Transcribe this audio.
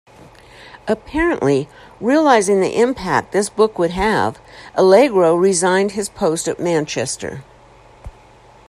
Apparently realising the impact this book would have, Allegro resigned his post at Manchester.